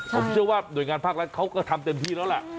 ผมเชื่อว่าหน่วยงานภาครัฐเขาก็ทำเต็มที่แล้วแหละ